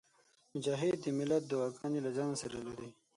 مجاهد د ملت دعاګانې له ځانه سره لري.